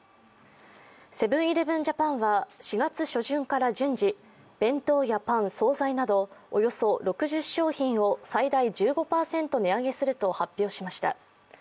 セブン−イレブン・ジャパンは４月初旬から順次、弁当やパン、総菜などおよそ６０商品を最大１５％値上げすると発表しました。